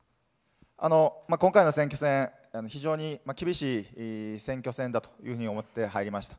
今回の選挙戦、非常に厳しい選挙戦だというふうに思って、入りました。